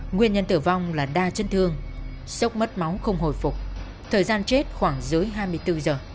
nguyên nhân tử vong là đa chấn thương sốc mất máu không hồi phục thời gian chết khoảng dưới hai mươi bốn giờ